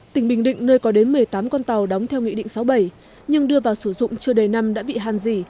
tỉnh bình định nơi có đến một mươi tám con tàu đóng theo nghị định sáu mươi bảy nhưng đưa vào sử dụng chưa đầy năm đã bị hàn dỉ